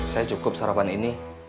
saya cukup sarapan ini